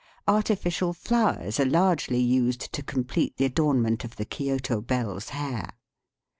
Artificial flowers are largely used to complete the adornment of the Kioto belle's hair.